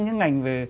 những ngành về